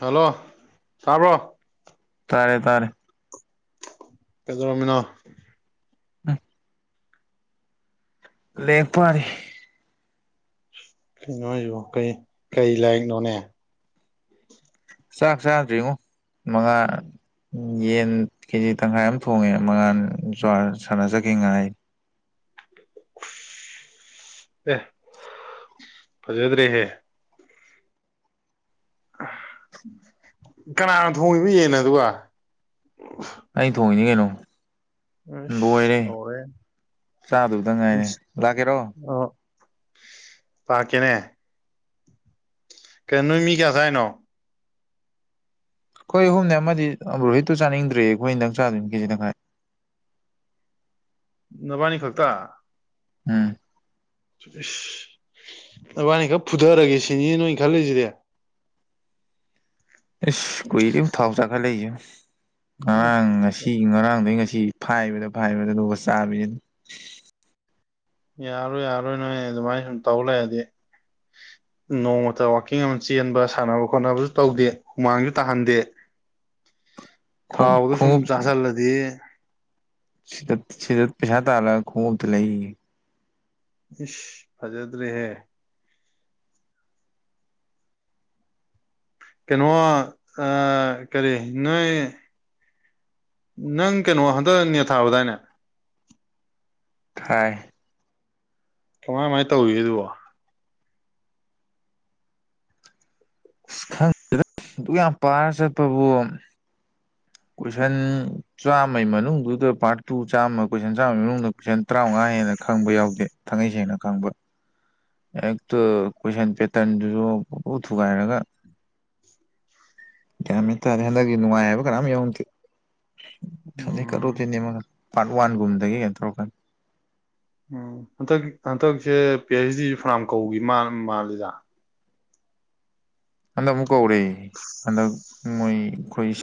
hello ꯇꯥꯕ꯭ꯔꯣ ꯇꯥꯔꯦ ꯇꯥꯔꯦ ꯄꯦꯖꯣꯔꯃꯤꯅꯥ ꯑꯝ ꯂꯦꯛꯄꯅꯤ ꯀꯩꯅꯣ ꯍꯥꯏꯁꯨ ꯀꯩ ꯀꯩ ꯂꯥꯏꯔꯤꯛꯅꯣꯅꯦ ꯆꯥꯛ ꯆꯥꯗ꯭ꯔꯤꯉꯣ ꯃꯉꯥ ꯌꯦꯟ ꯀꯦꯖꯤ ꯇꯪꯈꯥꯏ ꯑꯃ ꯊꯣꯡꯉꯦ ꯃꯉꯥꯟ ꯆꯔ ꯁꯥꯟꯅꯖꯈꯤ ꯉꯥꯏ ꯑꯦ ꯐꯖꯗ꯭ꯔꯔꯤꯍꯦ ꯀꯅꯥꯅ ꯊꯣꯡꯉꯤꯕ ꯌꯦꯅ ꯑꯗꯨꯒ ꯑꯩ ꯊꯣꯡꯉꯏꯅꯤ ꯀꯩꯅꯣ ꯑꯁ ꯑꯣꯏꯔꯦ ꯇꯧꯔꯦ ꯆꯥꯗꯕꯗ ꯉꯥꯏꯔ ꯂꯥꯛꯀꯦꯔꯣ ꯄꯥꯔ ꯀꯦꯅꯦ ꯀ ꯅꯨꯨ ꯃꯤ ꯀꯌꯥꯁꯥꯏꯅꯣ ꯑꯩꯈꯣꯏ ꯑꯍꯨꯝꯅꯦ ꯑꯃꯗꯤ ꯔꯣꯍꯤꯠꯇꯨ ꯆꯥꯅꯤꯡꯗ꯭ꯔꯦ ꯑꯩꯈꯣꯏ ꯅꯗꯪ ꯆꯥꯗꯣꯏꯅꯤ ꯀꯦꯖꯤꯗ ꯈꯥꯏ ꯅꯕꯥꯅꯤ ꯈꯛꯇ ꯎꯝ ꯏꯁꯁ ꯑꯗꯨꯕꯥꯅꯤ ꯈꯔ ꯐꯨꯊꯔꯒꯦ ꯁꯤꯅꯦꯅ ꯅꯣꯏ ꯈꯜꯂꯤꯂꯁꯤꯗꯤ ꯑꯦꯁ ꯀꯨꯏꯂꯤ ꯎ ꯊꯥꯎꯖꯈ ꯂꯩꯁꯨ ꯎꯝ ꯉꯥꯡꯁꯤ ꯁꯤꯒꯤ ꯉꯔꯥꯡꯗꯩ ꯉꯁꯤ ꯐꯥꯏꯕꯗ ꯐꯥꯏꯕꯗ ꯑꯗꯨꯒ ꯆꯥꯁꯤꯅ ꯌꯥꯔꯣꯏ ꯌꯥꯔꯣꯏ ꯅꯣꯏ ꯑꯗꯨꯃꯥꯏꯅ ꯁꯨꯝ ꯇꯧ ꯂꯩꯑꯗꯤ ꯅꯣꯡꯃꯇ ꯋꯥꯋꯥꯛꯀꯤꯡ ꯑꯃ ꯆꯦꯟꯕ ꯁꯥꯟꯅꯕ ꯈꯣꯠꯅꯕꯁꯨ ꯇꯧꯗꯦ ꯍꯨꯃꯥꯡꯁꯨ ꯇꯥꯍꯟꯗꯦ ꯊꯥꯎꯗꯣ ꯁꯨꯝ ꯈꯣꯡꯎꯞ ꯆꯥꯥꯁꯜꯂꯗꯤ ꯁꯤꯗ ꯁꯤꯗ ꯄꯁꯥ ꯇꯂ ꯈꯣꯡꯗ ꯂꯩ ꯏ ꯐꯖꯗ꯭ꯔꯦꯍꯦ ꯀꯩꯅꯣ ꯀꯔꯤ ꯅꯣꯏ ꯅꯪ ꯀꯩꯅꯣ ꯍꯟꯗꯛꯅꯦ ꯊꯥꯕꯗꯥꯏꯅꯦ ꯊꯥꯏ ꯀꯃꯥꯏ ꯀꯃꯥꯏꯅ ꯇꯧꯔꯤꯒ ꯑꯗꯨꯕꯣ ꯑꯁ ꯈꯪꯗꯦꯗ ꯑꯗꯨꯛ ꯌꯥꯝ ꯄꯥꯔ ꯆꯠꯄꯕꯨꯣ ꯀꯣꯏꯁꯟ ꯆꯥꯝꯃꯩ ꯃꯅꯨꯡꯗꯨꯗ ꯄꯥꯔꯠ ꯇꯨ ꯆꯥꯝꯃ ꯀꯣꯏꯁꯟ ꯆꯥꯝꯃ ꯃꯅꯨꯡꯗ ꯀꯁꯟ ꯇꯔꯥꯃꯉꯥ ꯍꯦꯟꯅ ꯈꯪꯕ ꯌꯥꯎꯗꯦ ꯊꯥꯡꯩ ꯁꯦꯡꯅ ꯈꯪꯕ ꯍꯦꯛꯇꯣ ꯀꯣꯏꯁꯟ ꯄꯦꯇꯔꯟꯗꯨꯁꯨ ꯄꯨꯛ ꯊꯨꯒꯥꯏꯔꯒ ꯌꯥꯃꯤꯥꯔꯦ ꯍꯟꯗꯛꯀꯤ ꯅꯨꯡꯉꯥꯏ ꯍꯥꯏꯕ ꯀꯔꯝ ꯌꯥꯎꯅꯗꯦ ꯎꯝ ꯀꯂꯨꯤꯅꯦ ꯄꯥꯔꯠ ꯋꯥꯟꯒꯨꯝꯗꯒꯤ ꯀꯩꯅꯣ ꯇꯧꯔꯀꯥꯟꯗ ꯎꯝ ꯍꯟꯗꯛ ꯍꯟꯗꯛꯁꯦ ꯄꯤ ꯑꯩꯩꯆ ꯗꯤ ꯐꯅꯥꯝ ꯀꯧꯒꯤ ꯃꯥ ꯃꯥꯜꯂꯤꯗ ꯍꯟꯗꯛ ꯑꯃꯨꯛ ꯀꯧꯔ ꯍꯟꯗꯛ ꯃꯣꯏ ꯑꯩꯈꯣꯏ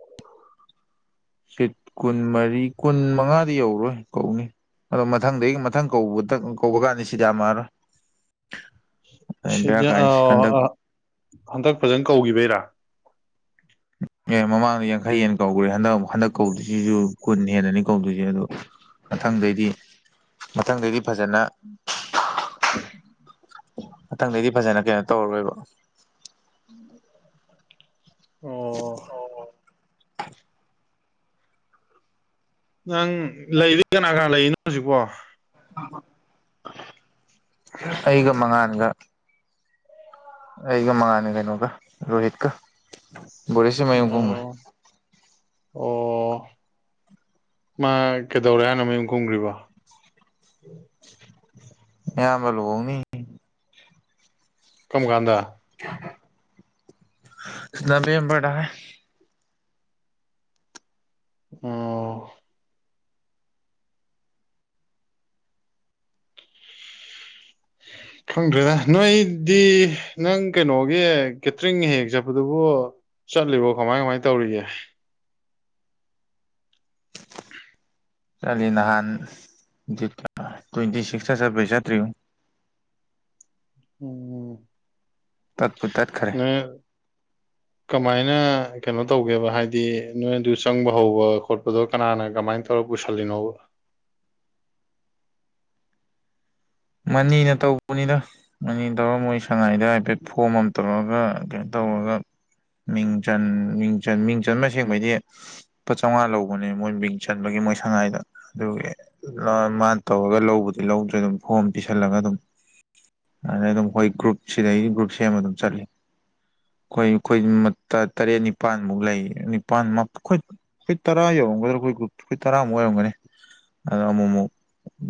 ꯁꯤꯠ ꯀꯨꯟ ꯃꯔꯤ ꯀꯨꯟ ꯃꯉꯥꯗꯤ ꯌꯧꯔꯣꯏ ꯀꯧꯅꯤ ꯑꯗꯣ ꯃꯊꯪꯗꯒꯤ ꯃꯊꯪ ꯀꯧꯕꯗ ꯀꯧꯕ ꯀꯥꯟꯅꯤ ꯁꯤꯗ ꯑꯃꯔꯣ ꯁꯤꯗ ꯀꯥꯏꯁꯦ ꯍꯟꯗꯛ ꯍꯟꯗꯛ ꯐꯖꯅ ꯀꯧꯈꯤꯕꯩꯔꯥ ꯑꯦ ꯃꯃꯥꯡꯗ ꯌꯥꯡꯈꯩ ꯍꯦꯟ ꯀꯧꯈ꯭ꯔꯦ ꯍꯟꯗꯛ ꯍꯟꯗꯛ ꯀꯧꯗꯣꯏꯁꯤꯁꯨ ꯀꯨꯟ ꯍꯦꯟꯅꯅꯤ ꯀꯧꯗꯣꯏꯁꯦ ꯑꯗꯣ ꯃꯊꯪꯗꯩꯗꯤ ꯃꯊꯪꯗꯩꯗꯤ ꯐꯖꯅ ꯃꯊꯪꯗꯩꯗꯤ ꯐꯖꯅ ꯀꯩꯅꯣ ꯇꯧꯔꯔꯣꯏꯕ ꯎꯝ [inaudible] ꯑꯣ [unintelligible] ꯅꯪ ꯂꯩꯔꯤ ꯀꯅꯥ ꯀꯅꯥ ꯂꯩꯔꯤꯅꯣ ꯍꯧꯖꯤꯛꯄꯣ ꯑꯩꯒ ꯃꯉꯥꯟꯒ ꯑꯩꯒ ꯃꯉꯥꯟꯒ ꯀꯩꯅꯣꯒ ꯔꯣꯍꯤꯠ ꯀ ꯑꯣ ꯑꯣ ꯃꯥ ꯀꯩꯗꯧꯔꯦ ꯍꯥꯏꯅꫭ ꯃꯌꯨꯝ ꯀꯨꯝꯈ꯭ꯔꯤꯕꯣ ꯃꯌꯥꯝꯕ ꯂꯨꯍꫭꯡꯅꯦꯌꯦ ꯀꯝꯒꯥꯟꯗ ꯅꯕꯦꯝꯕꯔꯗ ꯍꯥꯏ ꯑꯣ ꯎꯝ [inaudible] ꯈꯪꯗ꯭ꯔꯦꯗ ꯅꯣꯏꯗꯤ ꯅꯪ ꯀꯩꯅꯣꯒꯤ ꯀꯦꯇ꯭ꯔꯤꯟꯒꯤ ꯍꯦꯛ ꯆꯠꯄꯗꯨꯕꯨ ꯆꯠꯂꯤꯕꯣ ꯀꯃꯥꯏ ꯀꯃꯥꯏ ꯇꯧꯔꯤꯒꯦ ꯆꯠꯂꯤ ꯅꯍꯥꯟ ꯊꯤꯠꯀ ꯇ꯭ꯋꯦꯟꯇꯤ ꯁꯤꯛꯁꯇ ꯆꯠꯄꯩ ꯆꯠꯇ꯭ꯔꯤꯕꫭ ꯎꯝ ꯇꯠꯄꯨ ꯇꯠꯈ꯭ꯔꯦ ꯅ ꯀꯃꯥꯏꯅ ꯀꯩꯅꯣ ꯇꯧꯒꯦꯕ ꯍꯥꯏꯗꯤ ꯅꯣꯏꯗꯨ ꯆꯪꯕ ꯍꯧꯕ ꯈꯣꯠꯄꯗꯣ ꯀꯅꯥꯅ ꯀꯃꯥꯏꯅ ꯇꯧ ꯂꯧꯔ ꯄꯨꯁꯤꯜꯂꯤꯅꫭꯕ ꯃꯅꯤꯅ ꯇꯧꯕꯅꯤꯗ ꯑꯅꯤ ꯇꯧꯔꯝꯃꯣꯏ ꯁꯉꯥꯏꯗ ꯍꯥꯏꯐꯦꯠ ꯐꯣꯝ ꯑꯃ ꯇꯧꯔꯑꯒ ꯀꯩꯅꯣ ꯇꯧꯔꯒ ꯃꯤꯡ ꯆꯟ ꯃꯤꯡꯆꯟ ꯃꯤꯡ ꯆꯟ ꯃꯁꯦꯡꯕꯩꯗꯤ ꯂꯨꯄꯥ ꯆꯥꯝꯃꯉꯥ ꯂꯧꯕꯅꯦ ꯃꯣꯏ ꯃꯤꯡ ꯆꯟꯕꯒꯤ ꯃꯣꯏ ꯁꯉꯥꯏꯗ ꯑꯗꯨꯒꯤ ꯂꯧꯔ ꯃꯥꯅ ꯇꯧꯔꯒ ꯂꯧꯕꯨꯗꯤ ꯂꯧꯗ꯭ꯔꯦ ꯑꯗꯨꯝ ꯐꯣꯝ ꯄꯤꯁꯜꯂꯒ ꯑꯗꯨꯝ ꯑꯗꯩ ꯑꯗꯨꯝ ꯑꯩꯈꯣꯏ ꯒ꯭ꯔꯨꯞ ꯁꯤꯗꯩ ꯒ꯭ꯔꯨꯞ ꯁꯦꯝꯃ ꯑꯗꯨꯝ ꯆꯠꯂꯤ ꯑꯩꯈꯣꯏ ꯑꯩꯈꯣꯏ ꯇꯔꯦꯠ ꯅꯤꯄꯥꯥꯟꯃꯨꯛ ꯂꯩ ꯅꯤꯄꯥꯟ ꯃꯥꯞ ꯈꫭꯏ ꯑꯩꯈꯣꯏ ꯇ꯭ꯔꯥ ꯌꯧꯔꯝꯒꯗꯥ ꯑꯩꯈꯣꯏꯒ꯭ꯔꯨꯞ ꯑꯩꯈꯣꯏꯇ꯭ꯔꯥꯃꯨꯛ ꯑꯣꯏꯔꯝꯒꯅꯤ ꯑꯗꯣ ꯑꯃꯨꯛ ꯑꯃꯨꯛ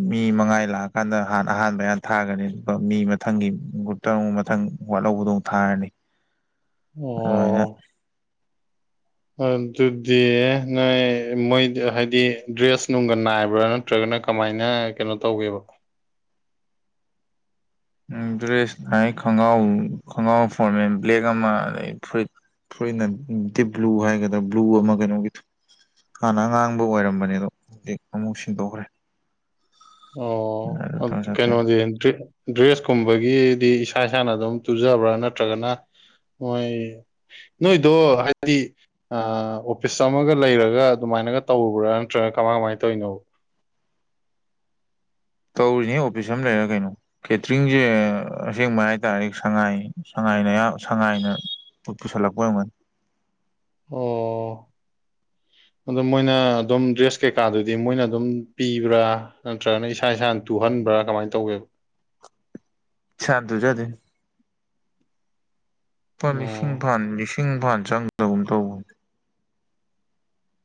ꯃꯤ ꯃꯉꯥꯏ ꯂꯥꯛ ꯀꯥꯟꯗ ꯍꯥꯟꯅ ꯑꯍꯥꯟꯕ ꯍꯍꯥꯟ ꯊꯥꯒꯅꯤ ꯑꯗꯨꯒ ꯃꯤ ꯃꯊꯪꯒꯤ ꯒ꯭ꯔꯨꯞꯇ ꯑꯃꯨꯛ ꯃꯊꯪ ꯋꯥꯠꯍꯧꯕꯗꫭ ꯊꯥꯔꯅꯤ ꯑꯣ ꯑꯗꯨꯃꯥꯏꯅ ꯑꯗꯨꯗꯤ ꯅꯣꯏ ꯃꯣꯏ ꯍꯥꯏꯗꯤ ꯗ꯭ꯔꯦꯁ ꯅꯨꯡꯒ ꯅꯥꯏꯕ꯭ꯔꯥꯅ ꯅꯠꯇ꯭ꯔꯒꯅ ꯀꯃꯥꯏꯅ ꯀꯩꯅꯣ ꯇꯧꯒꯦꯕ ꯎ ꯗ꯭ꯔꯦꯁ ꯍꯥꯏ ꯈꯣꯡꯒ꯭ꯔꯥꯎ ꯈꯣꯡꯒ꯭ꯔꯥꯎ ꯐꯣꯔꯃꯦꯜ ꯕ꯭ꯂꯦꯛ ꯑꯃ ꯑꯗꯩ ꯐꯨꯔꯤꯠ ꯐꯨꯔꯤꯠꯅ ꯗꯤꯞꯕꯂꯨ ꯍꯥꯏꯒꯗ꯭ꯔꯥ ꯕꯂꯨ ꯑꯃ ꯀꯩꯅꯣꯒꯤꯗꫭ ꯍꯥꯟꯅ ꯑꯉꯥꯡꯕ ꯑꯣꯏꯔꯝꯕꯅꯦ ꯑꯗꯣ ꯍꯧꯖꯤꯛ ꯑꯃꯨꯛ ꯁꯤꯟꯗꯣꯛꯈ꯭ꯔꯦ ꯑꯣ ꯇꯧꯔ ꯑꯗꯨ ꯆꯠꯇꯣꯏ ꯀꯩꯅꯣꯗꯤ ꯗ꯭ꯔꯤ ꯗ꯭ꯔꯦꯁ ꯀꯨꯝꯕꯒꯤꯗꯤ ꯏꯁꯥ ꯏꯁꯥꯅ ꯑꯗꯨꯝ ꯇꯨꯖꯕ꯭ꯔꯥ ꯅꯠꯇ꯭ꯔꯒꯅ ꯃꯣꯏ ꯅꯣꯏꯗꯣ ꯍꯥꯏꯗꯤ ꯑꯥ ꯑꯣꯐꯤꯁ ꯑꯃꯒ ꯂꯩꯔꯒ ꯑꯗꯨꯃꯥꯏꯅꯒ ꯇꯧꯕ꯭ꯔꯥ ꯅꯠꯇ꯭ꯔꯒ ꯀꯃꯥꯏ ꯀꯃꯥꯏꯅ ꯇꯧꯔꯤꯅꯣꯕ ꯇꯧꯔꯤꯅꯦ ꯑꯣꯐꯤꯁ ꯑꯃ ꯂꯩꯔꯒ ꯀꯩꯅꯣ ꯀꯦꯇ꯭ꯔꯤꯡꯁꯦ ꯑꯁꯦꯡꯕ ꯍꯥꯏꯇꯥꯔꯦ ꯁꯉꯥꯏ ꯁꯉꯥꯏꯅ ꯑꯌꯥ ꯁꯉꯥꯏꯅ ꯨꯄꯨ ꯄꯨꯁꯤꯂꯛꯄ ꯑꫭꯏꯔꯝꯒꯅꯤ ꯑꯗ ꯃꯣꯏꯅ ꯑꯗꯨꯝ ꯗ꯭ꯔꯦꯁ ꯀꯩꯀꯥꯗꯨꯗꯤ ꯃꯣꯏꯅ ꯑꯗꯨꯝ ꯄꯤꯕ꯭ꯔꯥ ꯅꯠꯇ꯭ꯔꯒꯅ ꯏꯁꯥ ꯏꯁꯥꯅ ꯇꯨꯍꯟꯕ꯭ꯔꯥ ꯀꯃꯥꯏꯅ ꯇꯧꯒꯦꯕ ꯁꯥꯅ ꯇꯨꯖꯗꫭꯏꯅꯦ ꯂꯨꯄꯥ ꯂꯤꯁꯤꯡ ꯑꯣ ꯐꯥꯟ ꯂꯤꯁꯤꯡ ꯐꯥꯟ ꯆꯪꯗꯒꯨꯝ ꯇꯧꯕ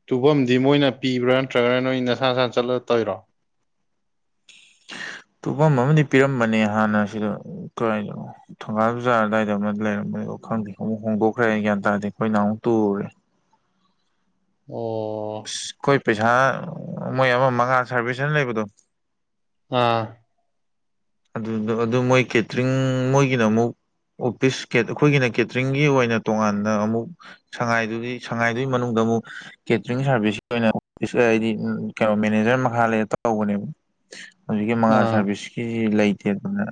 ꯇꯨꯕꯝꯗꯤ ꯃꯣꯏꯅ ꯄꯤꯕ꯭ꯔꯥ ꯅꯠꯇ꯭ꯔꯒꯅ ꯅꯣꯏ ꯅꯁꯥ ꯅꯁꯥꯅ ꯆꯠꯂ ꯇꫭꯏꯔꯣ ꯇꯨꯝꯐꯝ ꯑꯃꯗꯤ ꯄꯤꯔꯝꯕꯅꯦ ꯍꯥꯟꯅ ꯁꯤꯗ ꯀꯩꯅꯣ ꯊꯣꯡꯒꯥꯜ ꯖꯥꯔ ꯑꯗꯨꯋꯥꯏꯗ ꯑꯃ ꯂꯩꯔꯝꯕ ꯋꯥ ꯈꯪꯗꯦ ꯑꯃꯨꯛ ꯍꯣꯡꯗꯣꯛꯈ꯭ꯔꯦ ꯒ꯭ꯌꯥꯟ ꯇꯥꯔꯗꯤ ꯑꯩꯈꯣꯏ ꯅꯍꯜꯃꯨꯛ ꯇꯨꯔꯦ ꯑꯣ ꯑꯁ ꯑꯩꯈꯣꯏ ꯄꯩꯁꯥ ꯃꯣꯏ ꯑꯃ ꯃꯉꯥ ꯁꯥꯔꯚꯤꯁ ꯍꯥꯏꯅ ꯂꯩꯕꯗꯣ ꯑꯥ ꯑꯗꯨꯗ ꯑꯗꯨ ꯃꯣꯏ ꯀꯦꯇꯔꯤꯡ ꯃꯣꯏꯒꯤꯅ ꯑꯃꯨꯛ ꯑꯣꯐꯤꯁ ꯑꯩꯈꯣꯏꯒꯤꯅ ꯀꯦꯇꯔꯤꯡꯒꯤ ꯑꯣꯏꯅ ꯇꯣꯉꯥꯟꯅ ꯑꯃꯨꯛ ꯁꯉꯥꯏꯗꯨꯒꯤ ꯁꯉꯥꯏꯗꯨꯒꯤ ꯃꯅꯨꯡꯗ ꯑꯃꯨꯛ ꯀꯦꯇꯔꯤꯡ ꯁꯥꯔꯚꯤꯁꯀꯤ ꯑꯣꯏꯅ ꯍꯥꯏꯗꯤ ꯀꯩꯅꯣ ꯃꯦꯅꯦꯖꯔ ꯃꯈꯥ ꯂꯩꯔ ꯇꯧꯕꯅꯦꯕ ꯍꯧꯖꯤꯛꯀꯤ ꯃꯉꯥꯜ ꯑꯥ ꯁꯥꯔꯚꯤꯁꯀꯤꯁꯤ ꯂꯩꯇꯦ ꯑꯗꯨꯅ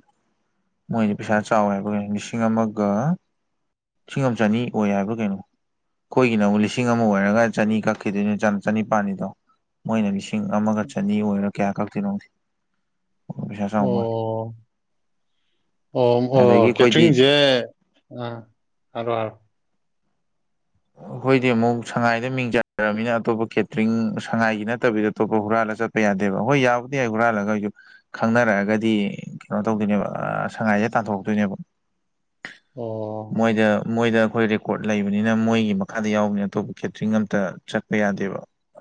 ꯃꯣꯏꯗꯤ ꯄꯩꯁꯥ ꯆꯥꯎꯋꯦ ꯍꯥꯏꯕ ꯀꯩꯅꯣ ꯂꯤꯁꯤꯡ ꯑꯃꯒ ꯂꯤꯁꯤꯡ ꯑꯃ ꯆꯅꯤ ꯑꯣꯏ ꯍꯥꯏꯕ꯭ꯔꯥ ꯀꯩꯅꯣ ꯑꯩꯈꯣꯏꯒꯤꯅ ꯑꯃꯕꯨꯛ ꯂꯤꯁꯤꯡ ꯑꯃ ꯑꯣꯏꯔꯒ ꯆꯅꯤ ꯀꯛꯈꯤꯗꯣꯏꯅꯤ ꯆꯅꯤꯄꯥꯜꯅꯤꯗꯣ ꯃꯣꯏꯅ ꯂꯤꯁꯤꯡ ꯑꯃꯒ ꯆꯅꯤ ꯑꯣꯏꯔꯥ ꯀꯌꯥ ꯀꯛꯇꯣꯏꯅꯣ ꯄꯩꯁꯥ ꯆꯉ ꯑꯣ ꯑꯣ ꯑꯗꯒꯤ ꯑꯣ ꯑꯩꯈꯣꯏꯗꯤ ꯀꯦꯇꯔꯤꯡꯁꯦ ꯑ ꯑꯗ ꯑꯩꯈꯣꯏꯗꯤ ꯑꯃꯨꯛ ꯁꯉꯥꯏꯗ ꯃꯤꯡ ꯆꯔꯕꯅꯤꯅ ꯑꯇꯣꯞꯄ ꯀꯦꯇ꯭ꯔꯤꯡ ꯁꯉꯥꯏꯒꯤ ꯅꯠꯇꯕꯤꯗ ꯑꯇꯣꯞꯄ ꯍꯨꯔꯥꯜꯂ ꯆꯠꯄ ꯌꯥꯗꯦꯕ ꯍꯣꯏ ꯌꯥꯕꯨꯗꯤ ꯌꯥ ꯑꯩ ꯍꯨꯔꯥꯜꯂꯒ ꯑꯩꯁꯨ ꯈꯪꯅꯔꯛꯑꯒꯗꯤ ꯀꯩꯅꯣ ꯇꯧꯗꯣꯏꯅꯦꯕ ꯁꯉꯥꯏꯁꯦ ꯇꯥꯟꯊꯣꯔꯛꯇꯣꯏꯅꯦꯕ ꯑꯣ ꯃꯣꯏꯗ ꯃꯣꯏꯗ ꯑꯩꯈꯣꯏ ꯔꯦꯀꯣꯔꯠ ꯂꯩꯕꯅꯤꯅ ꯃꯣꯏ ꯃꯈꯥꯗ ꯌꯥꯎꯕꯅꯦ ꯑꯇꯣꯞꯄ ꯀꯦꯇꯔꯤꯡ ꯑꯃꯇ ꯆꯠꯄ ꯌꯥꯗꯦꯕ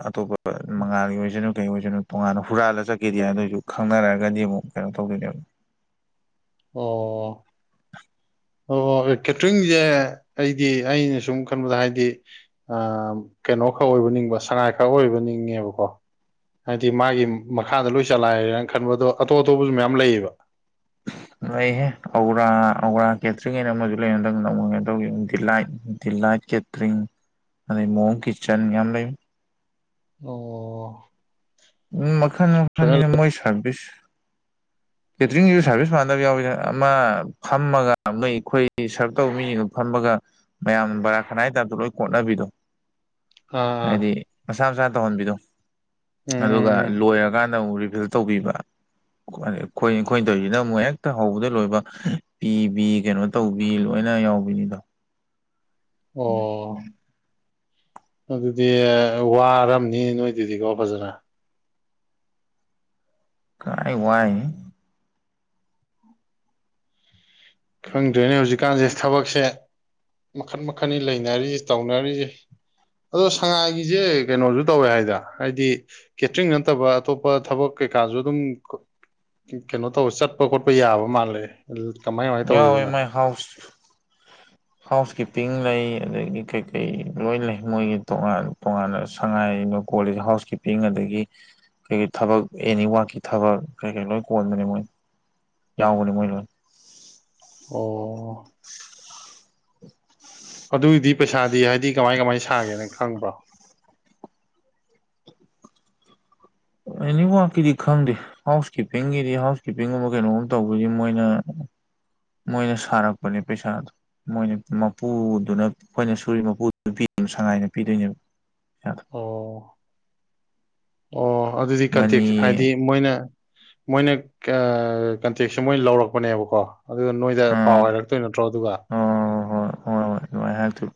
ꯑꯇꯣꯞꯄ ꯃꯉꯥꯒꯤ ꯑꯣꯏꯁꯅꯨ ꯀꯩ ꯑꯣꯏꯁꯅꯨ ꯇꯣꯉꯥꯟꯅ ꯍꯨꯔꯥꯜꯂ ꯆꯠꯀꯦꯗꯤ ꯑꯗꯨ ꯑꯣꯏꯁꯨ ꯈꯪꯅꯔꯒꯗꯤ ꯑꯃꯨꯛ ꯀꯩꯅꯣ ꯇꯧꯗꯣꯏꯅꯦꯕ ꯑꯣ ꯑꯣ ꯑꯣ ꯀꯦꯇꯔꯤꯡꯁꯦ ꯑꯩꯗꯤ ꯑꯩꯅ ꯁꯨꯝ ꯈꯟꯕꯗ ꯍꯥꯏꯗꯤ ꯑ ꯀꯩꯅꯣ ꯈꯔ ꯑꯣꯏꯕ ꯅꯤꯡꯕ ꯁꯉꯥꯏ ꯈꯔ ꯑꯣꯏꯕ ꯅꯤꯡꯉꯦꯕꯀꯣ ꯍꯥꯏꯗꯤ ꯃꯥꯒꯤ ꯃꯈꯥꯗ ꯂꯣꯏ ꯆꯂꯥꯏꯔꯦꯅ ꯈꯟꯕ ꯑꯗꯣ ꯑꯇꯣꯞ ꯑꯇꯣꯞꯄꯁꯨ ꯃꯌꯥꯝ ꯂꯩꯌꯦꯕ ꯂꯩꯍꯦ ꯑꯔꯥ ꯑꯔꯥ ꯀꯦꯇ꯭ꯔꯤꯉꯩꯅ ꯑꯃꯁꯨ ꯂꯩꯅꯗꯪ ꯅꯃꯒꯦ ꯇꯧ ꯗꯤꯂꯥꯏꯠ ꯗꯤꯂꯥꯏꯠ ꯀꯦꯇꯔꯤ [unintelligible] ꯀꯤꯆꯟ ꯌꯥꯝ [unintelligible] ꯎꯝ ꯃꯈꯜ ꯐꯖꯅ ꯃꯈꯜꯅꯤꯅ ꯃꯣꯏ ꯁꯥꯔꯚꯤꯁ ꯀꯦꯇꯔꯤꯡꯁꯨ ꯁꯥꯔꯚꯤꯁ ꯃꯥꯟꯅꯗꯕ ꯌꯥꯎꯋꯤꯗꯅ ꯑꯃ ꯐꯝꯃꯒ ꯃ ꯑꯩꯈꯣꯏ ꯁꯔꯞ ꯇꯧꯕ ꯃꯤꯒ ꯐꯝꯃꯒ ꯃꯌꯥꯝ ꯕꯔꯥ ꯈꯅꯥ ꯍꯥꯏ ꯇꯗꯣ ꯂꯣꯏ ꯀꯣꯠꯅꯕꯤꯗꯣ ꯑꯥ ꯍꯥꯏꯗꯤ ꯃꯁꯥ ꯃꯁꯥꯅ ꯇꯧꯍꯟꯕꯤꯗꯣ ꯎꯝ ꯑꯗꯨꯒ ꯎꯝ ꯎꯝ ꯂꯣꯏꯔꯀꯥꯟꯗ ꯑꯃꯨꯛ ꯔꯤꯚꯤꯜ ꯇꯧꯕꯤꯕ ꯑꯩꯈꯣꯏ ꯑꯩꯈꯣꯏꯅ ꯇꯧꯔꯤꯁꯤꯅ ꯑꯃꯨꯛ ꯍꯦꯛꯇ ꯍꯧꯕꯗ ꯂꯣꯏꯕ ꯄꯤꯕꯤ ꯀꯩꯅꯣ ꯇꯧꯕꯤ ꯂꯣꯏꯅ ꯌꯥꯎꯕꯤꯅꯤꯗꯣ ꯑꯣ ꯑꯗꯨꯗꯤ ꯋꯥꯔꯝꯅꯤ ꯅꯣꯏꯗꯨꯗꯤꯀꯣ ꯐꯖꯅ ꯀꯥꯏ ꯋꯥꯏ ꯈꯪꯗ꯭ꯔꯦꯅꯦ ꯍꯧꯖꯤꯛꯀꯥꯟꯁꯦ ꯊꯕꯛꯁꯦ ꯃꯈꯟ ꯃꯈꯟ ꯂꯩꯅꯔꯤꯁꯦ ꯇꯧꯅꯔꯤꯁꯦ ꯑꯗꯣ ꯁꯉꯥꯏꯒꯤꯁꯦ ꯀꯩꯅꯣꯁꯨ ꯇꯧꯋꯦ ꯍꯥꯏꯗ ꯍꯥꯏꯗꯤ ꯀꯦꯇ꯭ꯔꯤꯡ ꯅꯠꯇꯕ ꯑꯇꯣꯞꯄ ꯊꯕꯛ ꯀꯩꯀꯥꯁꯨ ꯑꯗꯨꯝ ꯀꯩꯅꯣ ꯇꯧꯕ ꯆꯠꯄ ꯈꯣꯠꯄ ꯌꯥꯕ ꯃꯥꯜꯂꯦ ꯀꯃꯥꯏ ꯀꯃꯥꯏ ꯌꯥ ꯇꯧꯋꯤꯗꯅ ꯃꯥꯏ ꯍꯥꯎꯁ [unintelligible] ꯍꯥꯎꯁ ꯀꯤꯞꯄꯤꯡ ꯂꯩ ꯑꯗꯒꯤ ꯀꯩꯀꯩ ꯂꯣꯏ ꯂꯩ ꯃꯣꯏꯒꯤ ꯇꯣꯉꯥꯟ ꯇꯣꯉꯥꯟꯅ ꯁꯉꯥꯏ ꯀꯣꯂꯦꯖ ꯍꯥꯎꯁ ꯀꯦꯝꯄꯤꯡ ꯑꯗꯒꯤ ꯀꯩꯀꯩ ꯊꯕꯛ ꯑꯦꯅꯤꯋꯥꯛꯀꯤ ꯊꯕꯛ ꯀꯔꯤ ꯀꯩ ꯂꯣꯏ ꯀꯣꯟꯕꯅꯤ ꯃꯣꯏ ꯌꯥꯎꯕꯅꯤ ꯃꯣꯏ ꯂꯣꯏ ꯑꯣ [unintelligible] ꯑꯗꯨꯒꯤꯗꯤ ꯄꯩꯁꯥꯗꯤ ꯍꯥꯏꯗꯤ ꯀꯃꯥꯏ ꯀꯃꯥꯏꯅ ꯁꯥꯒꯦꯅ ꯈꯪꯕ꯭ꯔꯣ ꯏꯅꯤ ꯀꯀꯤ ꯈꯥꯗ ꯍꯥꯎꯁ ꯀꯤꯞꯄꯤꯡꯒꯤꯗꯤ ꯍꯥꯎꯁ ꯀꯤꯞꯄꯤꯡꯒꯨꯝꯕ ꯀꯩꯅꯣꯒꯨꯝꯕ ꯇꯧꯕꯗꯤ ꯃꯣꯏꯅ ꯃꯣꯏꯅ ꯁꯥꯔꯛꯄꯅꯦ ꯄꯩꯁꯥꯗꯣ ꯃꯣꯏꯅ ꯃꯄꯨꯗꯨꯅ ꯑꯩꯈꯣꯏꯅ ꯁꯨꯔꯤ ꯃꯄꯨꯗꯨ ꯄꯤ ꯁꯉꯥꯏꯅ ꯄꯤꯗꯣꯏꯅꯦꯕ ꯄꯩꯁꯥꯗꯣ ꯑꯣ ꯑꯣ ꯑꯗꯨꯗꯤ ꯀꯟꯇꯦꯛ ꯃꯅꯤ ꯍꯥꯏꯗꯤ ꯃꯣꯏꯅ ꯃꯣꯏꯅ ꯀꯟꯇꯦꯛꯁꯦ ꯃꯣꯏ ꯂꯧꯔꯛꯄꯅꯦꯕꯀꯣ ꯑꯗꯨꯒ ꯅꯣꯏꯗ ꯄꯥꯎ ꯍꯥꯏꯔꯛꯇꯣꯏ ꯅꯠꯇ꯭ꯔꯣ ꯑꯗꯨꯒ ꯑꯣ ꯍꯣꯏ ꯍꯣꯏ ꯍꯣꯏ ꯅꯨꯡꯉꯥꯏ ꯍꯥꯏꯦ ꯊꯨ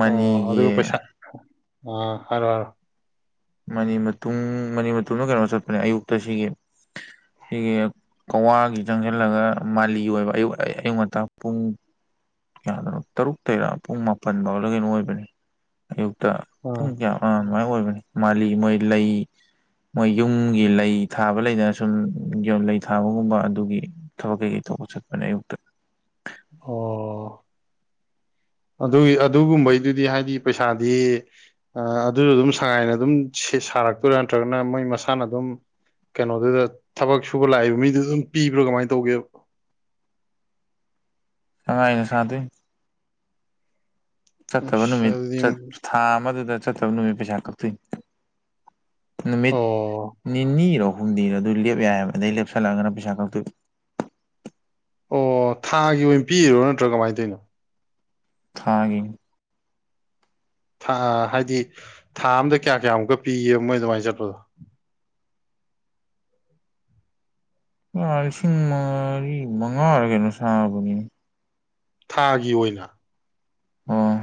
ꯑꯣ ꯑꯗꯨꯒ ꯄꯩꯁꯥ ꯑꯥ ꯍꯥꯏꯔꯣ ꯍꯥꯏꯔꯣ ꯃꯅꯤ ꯃꯇꯨꯡ ꯃꯅꯤ ꯃꯇꯨꯡꯗ ꯀꯩꯅꯣ ꯆꯠꯄꯅꯦ ꯑꯌꯨꯛꯇ ꯁꯤꯒꯤ ꯁꯤꯒꯤ ꯀꯧꯋꯥꯒꯤ ꯆꯪꯁꯤꯜꯂꯒ ꯃꯥꯒꯤ ꯑꯣꯏꯕ ꯑꯌꯨꯛ ꯑꯌꯨꯛ ꯉꯇꯥ ꯄꯨꯡ ꯀꯗꯅꯣ ꯇꯔꯨꯛ ꯇꯔ ꯄꯨꯡ ꯃꯥꯄꯟ ꯐꯥꯎꯗ ꯀꯅꯣ ꯑꯣꯏꯕꯅꯦ ꯑꯌꯨꯛꯇ ꯑꯥ ꯄꯨꯡ ꯀꯌꯥ ꯑ ꯃꯃꯥꯏ ꯑꯣꯏꯕꯅꯤ ꯃꯥꯜꯂꯤ ꯃꯣꯏ ꯂꯩ ꯃꯣꯏ ꯌꯨꯝꯒꯤ ꯂꯩ ꯊꯥꯕ ꯂꯩꯗꯅ ꯁꯨꯝ ꯌ ꯂꯩ ꯊꯥꯕꯒꯨꯝꯕ ꯑꯗꯨꯒꯤ ꯊꯕꯛ ꯀꯩꯀꯩ ꯇꯧꯕ ꯆꯠꯄꯅꯦ ꯑꯌꯨꯛꯇ ꯑꯣ ꯑꯗꯨꯒꯤ ꯑꯗꯨꯒꯨꯝꯕꯩꯗꯨꯗꯤ ꯍꯥꯏꯗꯤ ꯄꯩꯁꯥꯗꯤ ꯑꯗꯨꯁꯨ ꯑꯗꯨꯝ ꯁꯉꯥꯏꯅ ꯑꯗꯨꯝ ꯁꯥꯔꯛꯇꯣꯏꯔꯥ ꯅꯠꯇ꯭ꯔꯒꯅ ꯃꯣꯏ ꯃꯁꯥꯅ ꯑꯗꯨꯝ ꯀꯩꯅꯣꯗꯨꯗ ꯊꯕꯛ ꯁꯨꯕ ꯂꯥꯛꯏꯕ ꯃꯤꯗꯨ ꯑꯗꯨꯝ ꯄꯤꯕ꯭ꯔꯥ ꯀꯃꯥꯏꯅ ꯇꯧꯒꯦ ꯁꯉꯥꯏꯅ ꯁꯥꯗꯣꯏ ꯆꯠꯇꯕ ꯑꯁ ꯅꯨꯃꯤꯠ ꯑꯗꯨꯗꯤ ꯊꯥ ꯑꯃꯗꯨꯗ ꯆꯠꯇꯕ ꯅꯨꯃꯤꯠ ꯄꯩꯁꯥ ꯀꯛꯇꯣꯏ ꯅꯨꯃꯤꯠ ꯑꯣ ꯅꯤꯅꯤꯔꯣ ꯍꯨꯝꯗꯤꯔꯣ ꯑꯗꯨ ꯂꯦꯞ ꯌꯥꯏꯕ ꯑꯗꯩ ꯂꯦꯞꯁꯜꯂꯛꯑꯒꯅ ꯄꯩꯁꯥ ꯈꯛꯇ ꯑꯣ ꯊꯥꯒꯤ ꯑꯣꯏꯅ ꯄꯤꯔꯣ ꯅꯠꯇ꯭ꯔꯥ ꯀꯃꯥꯏꯅ ꯇꯧꯔꯤꯅꯣ ꯊꯥꯡꯒꯤ ꯊꯥ ꯍꯥꯏꯗꯤ ꯊꯥ ꯑꯝꯗ ꯀꯌꯥ ꯀꯌꯥꯃꯨꯛꯀ ꯄꯤꯒꯕ ꯃꯣꯏ ꯑꯗꯨꯃꯥꯏꯅ ꯆꯠꯄꯗꯣ ꯂꯥ ꯂꯤꯁꯤꯡ ꯃꯔꯤ ꯃꯉꯥꯔ ꯀꯩꯅꯣ ꯁꯥꯕꯅꯤꯅꯦ ꯊꯥꯒꯤ ꯑꯣꯏꯅ ꯑꯥ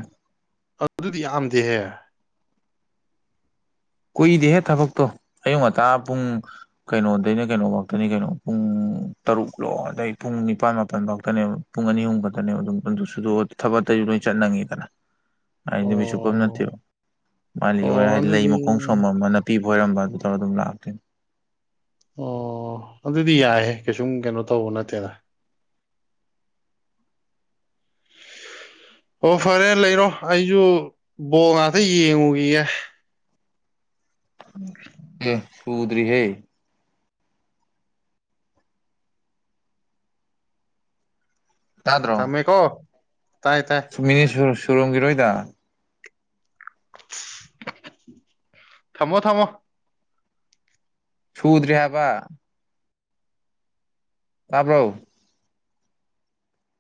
ꯑꯗꯨꯗꯤ ꯌꯥꯝꯗꯦꯍꯦ ꯀꯨꯏꯗꯦꯍꯦ ꯊꯕꯛꯇꯣ ꯑꯌꯨꯛ ꯉꯇꯥ ꯄꯨꯡ ꯀꯩꯅꯣꯗꯩꯅ ꯀꯩꯅꯣꯐꯇꯅꯤ ꯀꯩꯅꯣ ꯄꯨꯡ ꯇꯔꯨꯛꯂꯣ ꯑꯗꯩ ꯄꯨꯡ ꯅꯤꯄꯥꯜ ꯃꯥꯄꯜ ꯐꯥꯎꯇꯅꯦꯕ ꯄꯨꯡ ꯑꯅꯤ ꯑꯍꯨꯝ ꯈꯛꯇꯅꯦꯕ ꯑꯗꯨꯝ ꯑꯗꯨ ꯊꯕꯛꯇꯁꯨ ꯂꯣꯏ ꯆꯠꯅꯤꯡꯉꯤꯗꯅ [inaudible] ꯍꯥꯏꯗꯤ ꯅꯨꯃꯤꯠꯁꯨꯨꯞꯄ ꯑꯃ ꯅꯠꯇꯦꯕ ꯃꯥꯜꯂꯤ ꯑꯣ ꯑꯣꯏꯔ ꯑꯗꯨꯗꯤ [unintelligible] ꯅꯥꯄꯤꯕꯣꯏꯔꯝꯕ ꯑꯗꯨ ꯇꯧꯔ ꯑꯗꯨꯝ ꯂꯥꯛꯇꯣꯏꯅꯤ ꯑꯣ ꯑꯗꯨꯗꯤ ꯌꯥꯏꯍꯦ ꯀꯩꯁꯨꯝ ꯀꯩꯅꯣ ꯇꯧꯕ ꯅꯠꯇꯦꯗ ꯑꯣ ꯐꯔꯦ ꯂꯩꯔꯣ ꯑꯩꯁꯨ ꯕꯣ ꯉꯥꯛꯇ ꯌꯦꯡꯉꯨꯈꯤꯒꯦ ꯑꯦ ꯁꯨꯗ꯭ꯔꯤꯍꯦ ꯇꯥꯗ꯭ꯔꯣ ꯊꯝꯃꯦꯀꯣ ꯇꯥꯏ ꯇꯥꯏ ꯃꯤꯅꯤꯠ ꯁꯨ ꯁꯨꯔꯝꯒꯤꯔꯣꯏꯗ ꯊꯝꯃꯣ ꯊꯝꯃꯣ ꯁꯨꯗ꯭ꯔꯤ ꯍꯥꯏꯕ ꯇꯥꯕ꯭ꯔꯣ